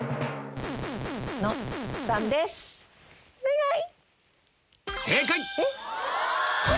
お願い！